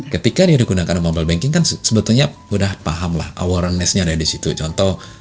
ketika dia di gunakan mobile banking kan sebetulnya udah paham lah awarenessnya ada disitu contoh